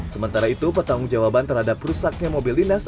sementara itu pertanggung jawaban terhadap rusaknya mobil dinas